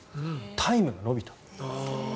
タイムが伸びた。